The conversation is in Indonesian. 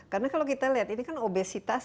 karena kalau kita lihat ini kan obesitas